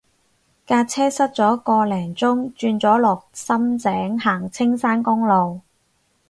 架車塞咗個零鐘轉咗落深井行青山公路